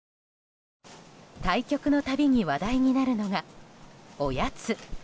対局のたびに話題になるのが、おやつ。